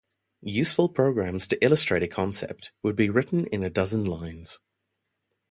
Useful programs to illustrate a concept could be written in a dozen lines.